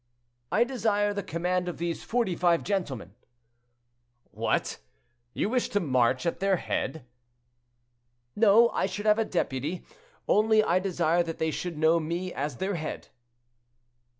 "I desire the command of these forty five gentlemen." "What! you wish to march at their head?" "No; I should have a deputy; only I desire that they should know me as their head."